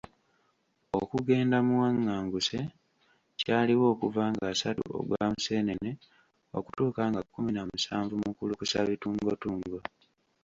Okugenda muwanganguse kyaliwo okuva ng'asatu ogwa Museenene okutuuka nga kkumi na musanvu Mukulukusabituungotungo.